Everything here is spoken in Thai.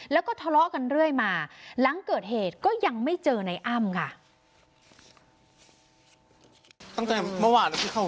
แล้วก็ทะเลาะกันเรื่อยมาหลังเกิดเหตุก็ยังไม่เจอในอ้ำค่ะ